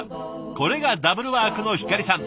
これがダブルワークのひかりさん